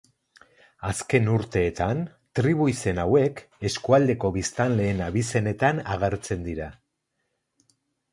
Azken urteetan, tribu izen hauek, eskualdeko biztanleen abizenetan agertzen dira.